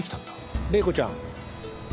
麗子ちゃん。